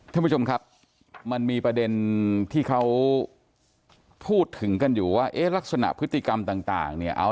ท่านผู้ชมครับมันมีประเด็นที่เขาพูดถึงกันอยู่ว่าเอ๊ะลักษณะพฤติกรรมต่างเนี่ย